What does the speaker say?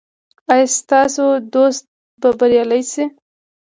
ایا ستاسو دوست به بریالی شي؟